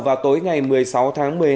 vào tối ngày một mươi sáu tháng một mươi hai